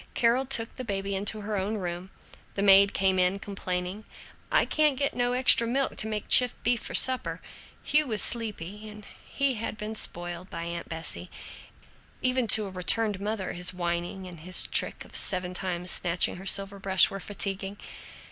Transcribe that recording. Carol took the baby into her own room. The maid came in complaining, "I can't get no extra milk to make chipped beef for supper." Hugh was sleepy, and he had been spoiled by Aunt Bessie. Even to a returned mother, his whining and his trick of seven times snatching her silver brush were fatiguing.